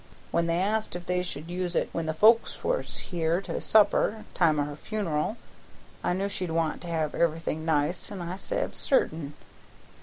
When they asked if they should use it when the folks was here to supper, time o' her funeral, I knew she'd want to have everything nice, and I said 'certain.'